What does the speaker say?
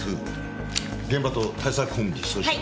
現場と対策本部に送信。